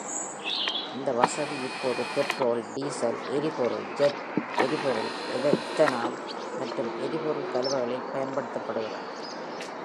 இந்த வசதி இப்போது பெட்ரோல், டீசல் எரிபொருள், ஜெட் எரிபொருள், எத்தனால் மற்றும் எரிபொருள் கலவைகளில் பயன்படுகிறது.